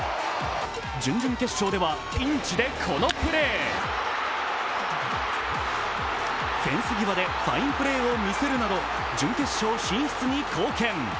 準々決勝ではピンチで、このプレーフェンス際でファインプレーを見せるなど準決勝進出に貢献。